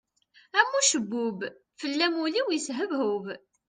Am ucebbub, fell-am ul-iw yeshebhub.